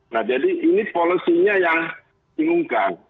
nah jadi ini polosinya yang bingungkan